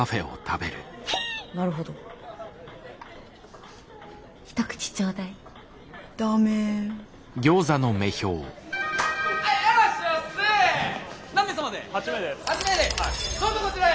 どうぞこちらへ！